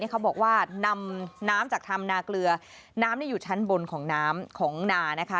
เขาบอกว่านำน้ำจากธรรมนาเกลือน้ำอยู่ชั้นบนของน้ำของนานะคะ